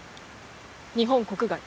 日本国外？